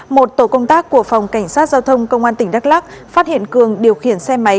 một tổ công tác của phòng cảnh sát giao thông công an tỉnh đắk lắc phát hiện cường điều khiển xe máy